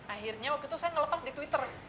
akhirnya waktu itu saya ngelepas di twitter